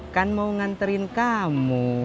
kan mau nganterin kamu